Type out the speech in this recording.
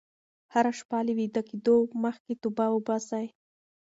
هره شپه له ویده کېدو مخکې توبه وباسئ.